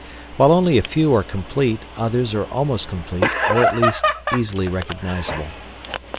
While only a few are complete others are almost complete or at least easily recognizable.